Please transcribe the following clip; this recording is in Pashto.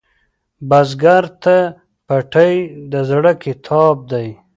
بزګر ته پټی د زړۀ کتاب دی